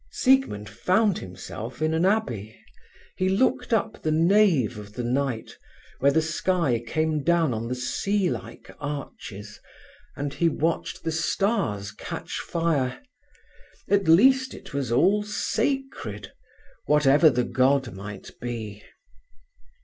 Siegmund found himself in an abbey. He looked up the nave of the night, where the sky came down on the sea like arches, and he watched the stars catch fire. At least it was all sacred, whatever the God might be.